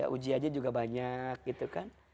ujiannya juga banyak gitu kan